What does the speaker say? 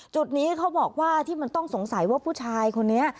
จุดนี้เขาบอกว่าที่มันต้องสงสัยว่าผู้ชายคนนี้